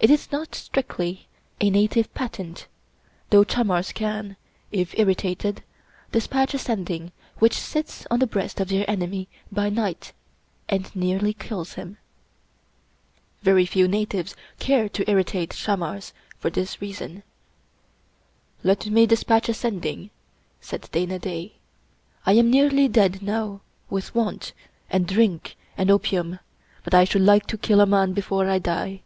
It is not strictly a native patent, though chamars can, if irritated, dispatch a Sending which sits on the breast of their enemy by night and nearly kills him. Very few natives care to irritate chamars for this reason. " Let me dispatch a Sending," said Dana Da ;" I am nearly dead now with want, and drink, and opium ; but I should like to kill a man before I die.